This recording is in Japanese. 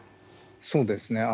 そうですね。